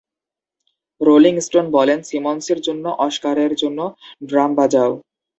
Rolling Stone বলেন, "সিমন্সের জন্য অস্কারের জন্য ড্রাম বাজাও।